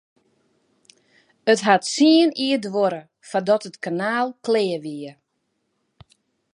It hat tsien jier duorre foardat it kanaal klear wie.